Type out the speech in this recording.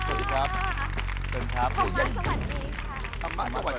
สวัสดีที่ธรรมะไงครับ